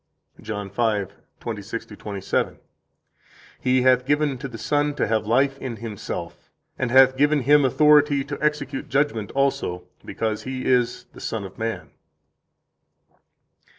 40 John 5:26 27: He hath given to the Son to have life in Himself, and hath given Him authority to execute judgment also, because He is the Son of Man.